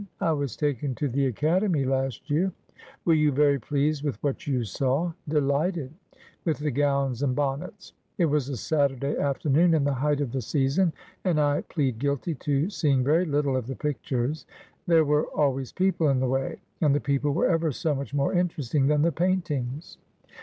I was taken to the Academy last year.' ' Were you very pleased with what you saw V ' Delighted — with the gowns and bonnets. It was a Saturday afternoon in the height of the season, and I plead guilty to see ing very little of the pictures. There were always people in the way, and the people were ever so much more interesting than the paintings.'